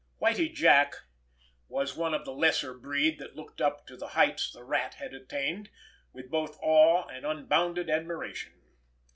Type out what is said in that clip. Whitie Jack was one of the lesser breed that looked up to the heights the Rat had attained with both awe and unbounded admiration.